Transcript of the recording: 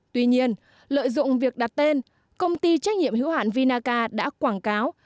tuy nhiên lợi dụng việc đặt tên công ty trách nhiệm hữu hạn vinaca đã quảng cáo